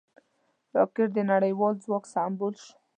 راکټ د نړیوال ځواک سمبول شو